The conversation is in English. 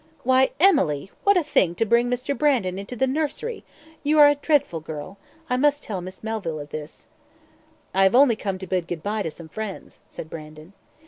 "Why, Emily, what a thing to bring Mr. Brandon into the nursery! You are a dreadful girl! I must tell Miss Melville of this." "I have only come to bid goodbye to some friends," said Brandon.